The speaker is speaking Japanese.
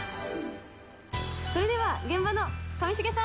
それでは現場の上重さん。